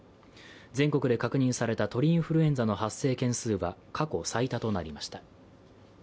全国で確認された鳥インフルエンザの発生件数は過去最多となりました。